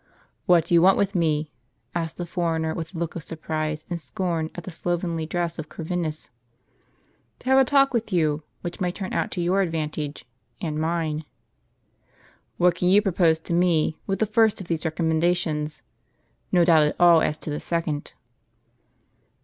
"What do you want with me?" asked the foreigner, with a look of surprise and scorn at the slovenly dress of Corvinus. " To have a talk with you, which may turn out to your advantage — and mine." "What can you propose to me, with the first of these recommendations ? No doubt at all as to the second."